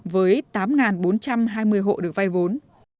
với tám bốn trăm hai mươi hộ được vay vốn